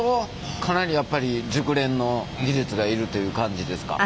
かなりやっぱり熟練の技術がいるという感じですか？